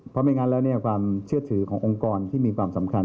เพราะไม่งั้นแล้วความเชื่อถือขององค์กรที่มีความสำคัญ